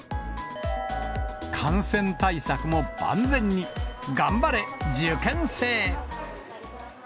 感染対策も万全に、頑張れ、受験生。